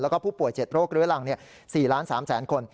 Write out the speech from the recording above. แล้วก็ผู้ป่วย๗โรคเรื้อรัง๔ล้าน๓แสนคน